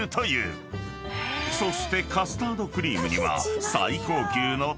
［そしてカスタードクリームには］